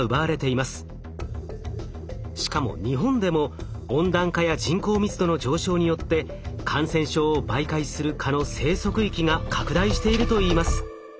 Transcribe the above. しかも日本でも温暖化や人口密度の上昇によって感染症を媒介する蚊の生息域が拡大しているといいます。